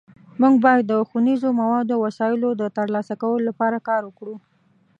مونږ باید د ښوونیزو موادو او وسایلو د ترلاسه کولو لپاره کار وکړو